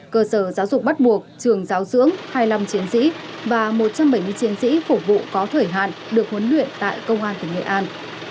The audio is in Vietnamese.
cơ sở giáo dục bắt buộc trường giáo dưỡng hai mươi năm chiến sĩ và một trăm bảy mươi chiến sĩ phục vụ có thời hạn được huấn luyện tại công an tỉnh nghệ an